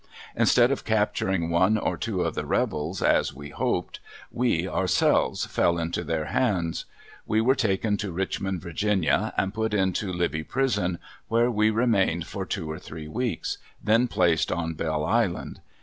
Instead of capturing one or two of the rebels, as we hoped, we, ourselves, fell into their hands. We were taken to Richmond, Va., and put into Libby Prison, where we remained for two or three weeks, then placed on Belle Island.